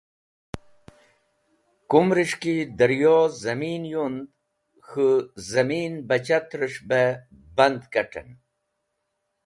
Kumrish ki dẽryo zẽmin yund, khũ zẽminẽ bachatres̃h bẽ band kat̃ẽn.